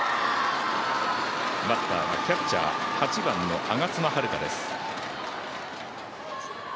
バッターは、キャッチャー８番の我妻悠香です。